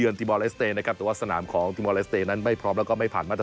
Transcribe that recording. นิริชชาไทยในอาเซนคลับที่จะเล่นในบ้าน๓นัด